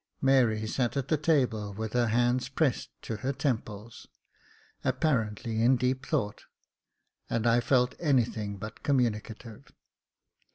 Mary sat at the table, with her hands pressed to her temples, apparently in deep thought ; and I felt anything but communicative.